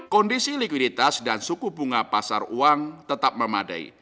kondisi likuiditas dan suku bunga pasar uang tetap memadai